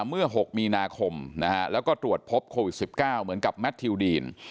เมื่อ๖มีนาคมนะฮะแล้วก็ตรวจพบโควิด๑๙เหมือนกับแมททิวดีน